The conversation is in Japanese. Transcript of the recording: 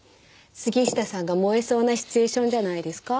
杉下さんが燃えそうなシチュエーションじゃないですか？